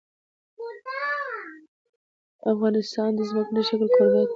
افغانستان د ځمکنی شکل کوربه دی.